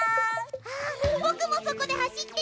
あっぼくもそこではしってみたい！